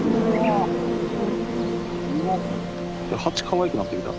蜂かわいくなってきた。